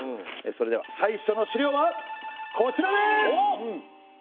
それでは最初の資料はこちらです！